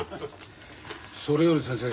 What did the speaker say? それより先生